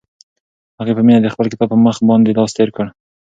هغې په مینه د خپل کتاب په مخ باندې لاس تېر کړ.